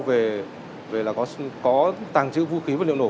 về là có tàng trữ vũ khí vật liệu nổ